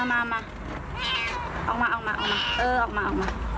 เอามาเอามาเออเอามาเอามา